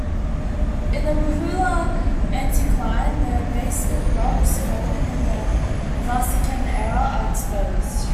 In the Ruhla anticline the basement rocks, folded in the Variscan era, are exposed.